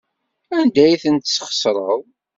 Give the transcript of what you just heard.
Anda ay tent-tesxeṣreḍ?